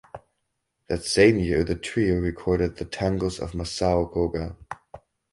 That same year the trio recorded the tangos of Masao Koga.